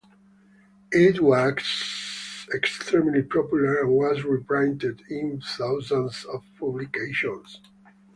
It was extremely popular and was reprinted in thousands of publications.